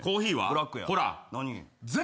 ブラックや俺は。